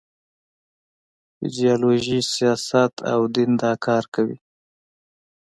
ایډیالوژي، سیاست او دین دا کار کوي.